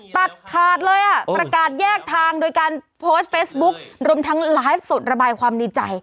ตัดขาดเลยอ่ะประกาศแยกทางโดยการโพสต์เฟซบุ๊ครวมทั้งไลฟ์สดระบายความดีใจ